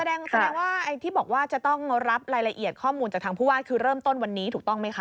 แสดงว่าไอ้ที่บอกว่าจะต้องรับรายละเอียดข้อมูลจากทางผู้ว่าคือเริ่มต้นวันนี้ถูกต้องไหมคะ